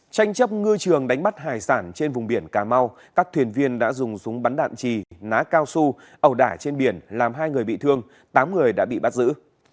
tranh chấp ngư trường đánh bắt hải sản trên vùng biển cà mau các thuyền viên đã dùng súng bắn đạn trì ná cao su ẩu đả trên biển làm hai người bị thương tám người đã bị bắt giữ